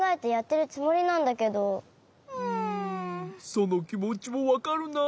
そのきもちもわかるな。